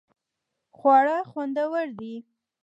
خواړه خوندور دې